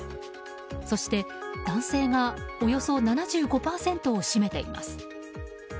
そして男性がおよそ７５％を占めています。